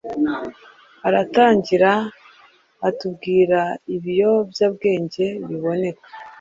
Aratangira atubwira ibiyobyabwenge biboneka